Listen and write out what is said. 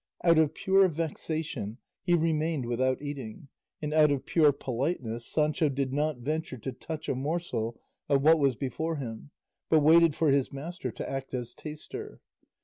Out of pure vexation he remained without eating, and out of pure politeness Sancho did not venture to touch a morsel of what was before him, but waited for his master to act as taster.